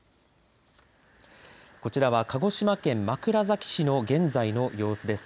こちらは鹿児島県枕崎市の現在の様子です。